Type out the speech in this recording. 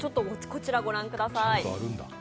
こちらご覧ください。